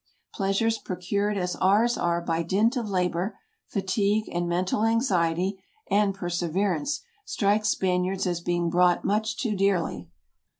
Pleasures procured as ours are by dint of labor, fatigue, and mental anxiety and perseverance, strike Span iards as being bought much too dearly.